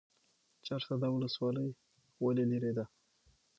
چهارسده ولسوالۍ ولې لیرې ده؟